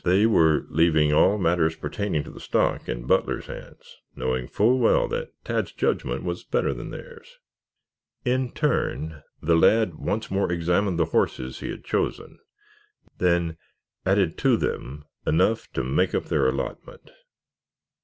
They were leaving all matters pertaining to the stock in Butler's hands, knowing full well that Tad's judgment was better than theirs. In turn the lad once more examined the horses he had chosen, then added to them enough to make up their allotment.